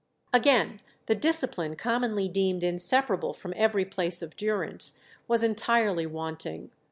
Again, the discipline commonly deemed inseparable from every place of durance was entirely wanting.